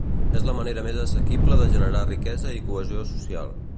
És la manera més assequible de generar riquesa i cohesió social.